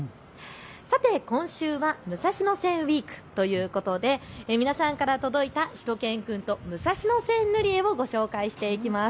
さて今週は武蔵野線ウイークということで皆さんから届いたしゅと犬くんと武蔵野線塗り絵をご紹介していきます。